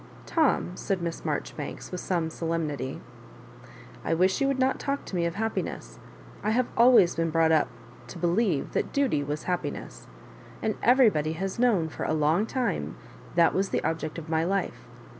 "Tom," said Miss Marjoribanks, with some solemnity, " I wish you would not talk to me of happiness. I have always been brought up to believe that duty was happiness ; and everybody has known for a long time that was the object of my life.